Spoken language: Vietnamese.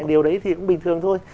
điều đấy thì cũng bình thường thôi